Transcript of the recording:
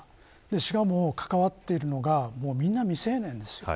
しかも、関わっているのがみんな未成年ですよ。